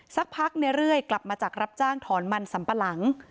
สักพักในเรื่อยกลับมาจากรับจ้างถอนมันสัมปะหลัง